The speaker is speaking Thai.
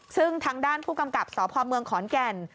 ซึ่งทางด้านผู้กำกับสพเมืองขอนแก่น